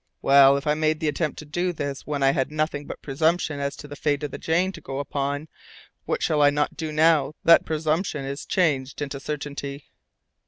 Well, if I made the attempt to do this when I had nothing but presumption as to the fate of the Jane to go upon, what shall I not do now that presumption is changed into certainty?"